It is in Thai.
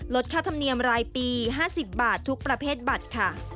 ค่าธรรมเนียมรายปี๕๐บาททุกประเภทบัตรค่ะ